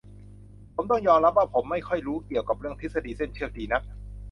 ผมต้องยอมรับว่า ผมไม่ค่อยรู้เกี่ยวกับเรื่อง ทฤษฎีเส้นเชือก ดีนัก